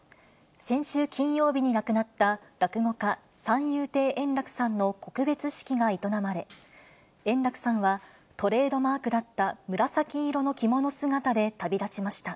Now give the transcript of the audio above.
先週金曜日に亡くなった落語家、三遊亭円楽さんの告別式が営まれ、円楽さんは、トレードマークだった紫色の着物姿で旅立ちました。